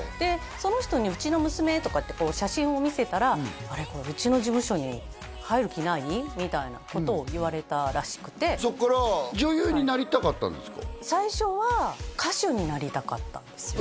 その人に「うちの娘」とかって写真を見せたら「あれ？これうちの事務所に入る気ない？」みたいなことを言われたらしくてそっから女優になりたかったんですか？